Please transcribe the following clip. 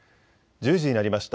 １０時になりました。